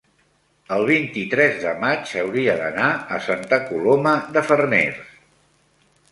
el vint-i-tres de maig hauria d'anar a Santa Coloma de Farners.